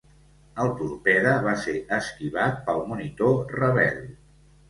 El torpede va ser esquivat pel monitor rebel.